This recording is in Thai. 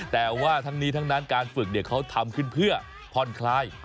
แต่ว่าทั้งนี้ทั้งนั้นการฝึกเขาทำขึ้นเพื่อผ่อนคลาย